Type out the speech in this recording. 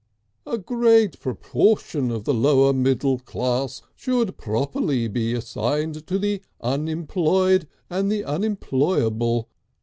A great proportion of the lower middle class should properly be assigned to the unemployed and the unemployable.